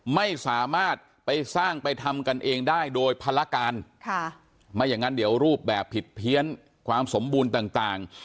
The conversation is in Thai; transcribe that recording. ไม่สามารถไปสร้างไปทำกันเองได้โดยภารการค่ะไม่อย่างนั้นเดี๋ยวรูปแบบผิดเพี้ยนความสมบูรณ์ต่าง